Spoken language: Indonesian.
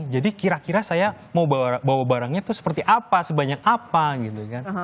jadi kira kira saya mau bawa barangnya itu seperti apa sebanyak apa gitu kan